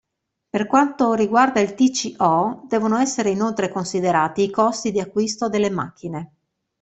Per quanto riguarda il TCO devono essere inoltre considerati i costi di acquisto delle macchine.